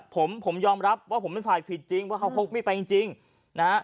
ผมผมยอมรับว่าผมเป็นฝ่ายผิดจริงว่าเขาพกมีดไปจริงนะฮะ